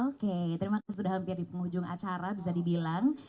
oke terima kasih sudah hampir di penghujung acara bisa dibilang